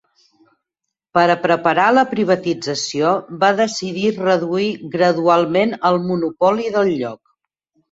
Per a preparar la privatització, va decidir reduir gradualment el monopoli del lloc.